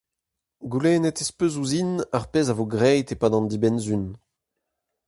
Goulennet ez peus ouzhin ar pezh a vo graet e-pad an dibenn-sizhun.